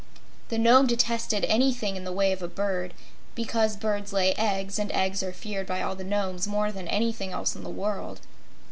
The Nome detested anything in the way of a bird, because birds lay eggs and eggs are feared by all the Nomes more than anything else in the world.